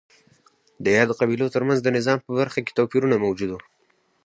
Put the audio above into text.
د یادو قبیلو ترمنځ د نظم په برخه کې توپیرونه موجود وو